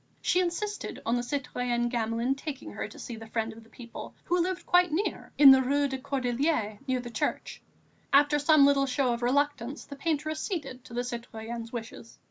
She insisted on the citoyen Gamelin taking her to see the Friend of the People, who lived quite near, in the Rue des Cordeliers, near the church. After some little show of reluctance, the painter acceded to the citoyenne's wishes.